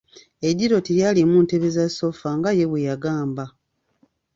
Eddiiro telyalimu ntebe za sofa nga ye bwe yagamba.